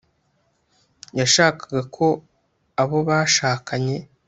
yashakaga ko abo bashakanye